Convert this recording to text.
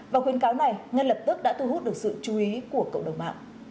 và khuyến cáo này ngay lập tức đã thu hút được sự chú ý của cộng đồng mạng